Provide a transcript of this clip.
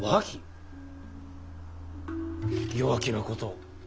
弱気なことを。